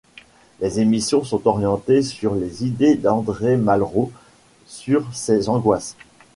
Les émissions sont orientées sur les idées d'André Malraux, sur ses angoisses.